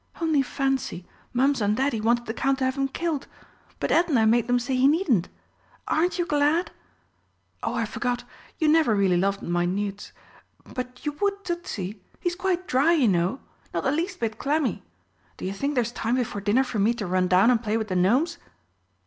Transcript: Only fancy, Mums and Daddy wanted the Count to have him killed! But Edna made them say he needn't. Aren't you glad?... Oh, I forgot you never really loved my newts. But you would Tützi he's quite dry, you know not the least bit clammy.... Do you think there's time before dinner for me to run down and play with the Gnomes?"